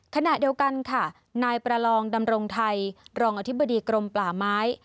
ขณะเดียวกันค่ะนายประลองดำรงไทยรองอธิบดีกรมป่าไม้